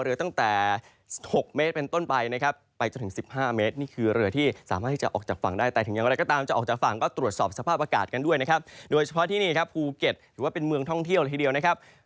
เรือตั้งแต่๖เมตรเป็นต้นไปนะครับ